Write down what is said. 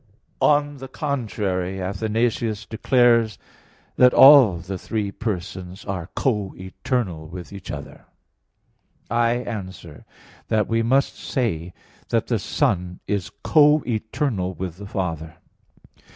On the contrary, Athanasius declares that "all the three persons are co eternal with each other." I answer that, We must say that the Son is co eternal with the Father.